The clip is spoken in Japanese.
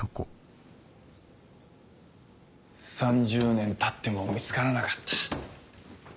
３０年たっても見つからなかった。